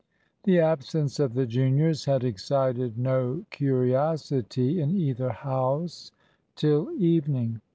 The absence of the juniors had excited no curiosity in either house till evening.